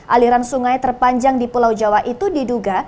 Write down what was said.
aliran sungai terpanjang di pulau jawa itu diduga